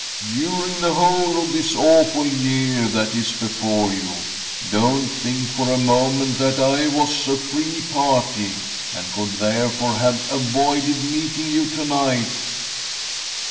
During the whole of this awful year that is before you, don't think for a moment that I was a free party, and could, therefore, have avoided meeting you to night.